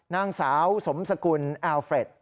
นางสาวสมสกุลแอลเฟรด